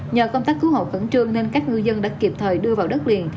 nhờ công tác cứu hộ khẩn trương nên các ngư dân đã kịp thời đưa vào đất liền